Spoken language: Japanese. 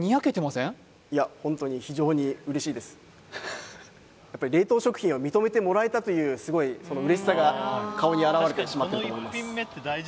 ホントにやっぱり冷凍食品を認めてもらえたというすごいその嬉しさが顔に表れてしまってると思います